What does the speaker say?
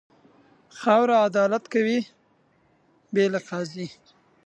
خاوره عدالت کوي، بې له قاضي.